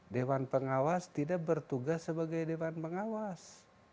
dewan pengawas tidak bertugas sebagai dewan pengawas